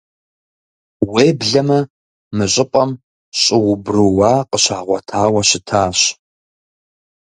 Уеблэмэ, мы щӀыпӀэм щӀы убрууа къыщагъуэтауэ щытащ.